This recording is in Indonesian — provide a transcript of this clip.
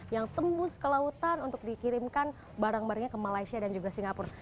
yang tembus ke lautan untuk dikirimkan barang barangnya ke malaysia dan juga singapura